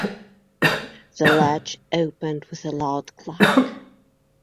The latch opened with a loud clack.